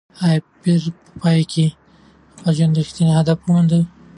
ایا پییر په پای کې د خپل ژوند رښتینی هدف وموند؟